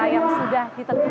yang sudah ditetapkan